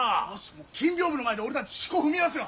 金屏風の前で俺たち四股踏みますよ。